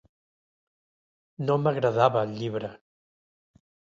No m'agradava el llibre.